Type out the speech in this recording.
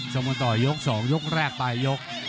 ชมต่อยกสองยกแรกไปยก